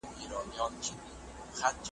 د گلونو پر ښاخونو مرغکۍ دی چی زنگېږی ,